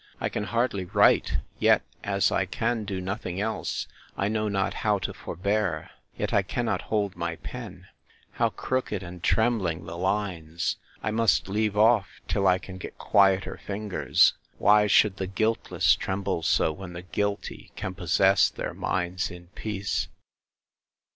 I can hardly write; yet, as I can do nothing else, I know not how to forbear!—Yet I cannot hold my pen—How crooked and trembling the lines!—I must leave off, till I can get quieter fingers!—Why should the guiltless tremble so, when the guilty can possess their minds in peace?